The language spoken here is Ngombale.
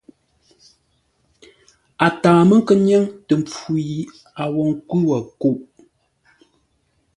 A taa mə́ nkə́ nyáŋ tə mpfu yi a wo nkwʉ́ wó kuʼ.